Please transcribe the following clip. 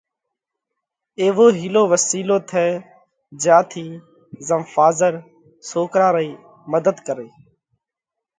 ايوو هِيلو وسِيلو ٿئہ جيا ٿِي زم ڦازر سوڪرا رئِي مڌت ڪرئي